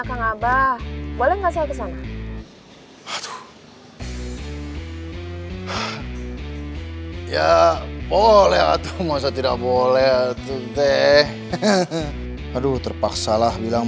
kang abah boleh nggak saya kesana ya boleh atau masa tidak boleh tun teh aduh terpaksalah bilang